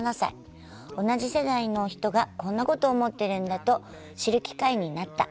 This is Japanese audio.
「同じ世代の人がこんなことを思ってるんだと知る機会になった。